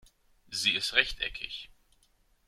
Sie ist rechteckig.